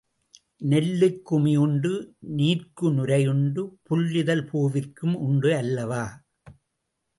நெல்லுக்கு உமி உண்டு நீர்க்கு நுரையுண்டு புல்லிதழ் பூவிற்கும் உண்டு அல்லவா?